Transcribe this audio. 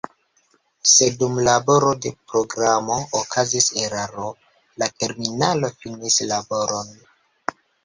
Se dum laboro de programo okazis eraro, la terminalo finis laboron.